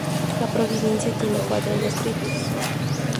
La provincia tiene cuatro distritos.